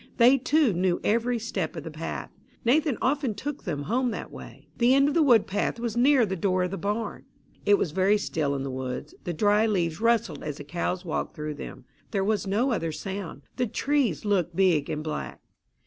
They, too, knew every step of the path. Nathan often took them home that way. The end of the wood path was near the door of the barn. It was very still in the woods. The dry leaves rustled as the cows walked through them. There was no other sound. The trees looked big and black.